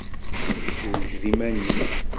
Ssewjed iman-im!